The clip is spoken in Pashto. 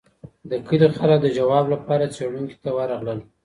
د کلي خلګ د ځواب لپاره څېړونکي ته ورغلل.